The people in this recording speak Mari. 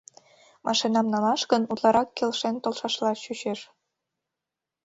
Машинам налаш гын, утларак келшен толшашла чучеш.